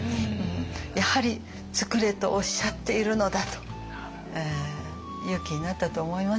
やはりつくれとおっしゃっているのだと勇気になったと思いますね。